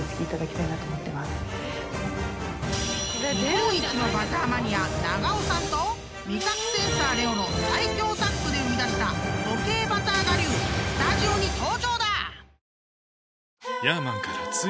［日本一のバターマニア長尾さんと味覚センサーレオの最強タッグで生み出した固形バター我流スタジオに登場だ！］